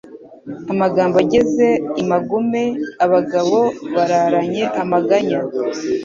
Amagambo ageze i magume Abagabo bararanye amaganya,